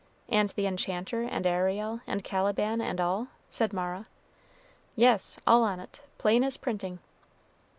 "And the Enchanter, and Ariel, and Caliban, and all?" said Mara. "Yes, all on't, plain as printing."